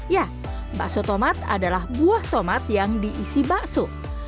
ya bakso tomat adalah buah tomat yang diisi bakso